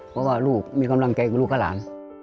เพราะว่าลูกมีกำลังใจกับลูกกับหลาน